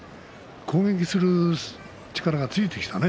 攻撃する力がついてきたね